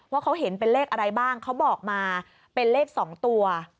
ว่าเขาเห็นเป็นเลขอะไรบ้างเขาบอกมาเป็นเลข๒ตัว